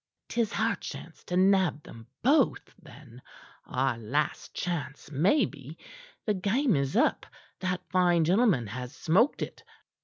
"'Tis our chance to nab 'em both, then our last chance, maybe. The game is up. That fine gentleman has smoked it."